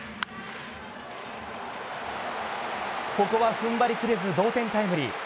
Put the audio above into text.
ここは踏ん張り切れず同点タイムリー。